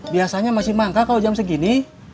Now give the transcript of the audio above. biasanya masih mangga kalau jam segini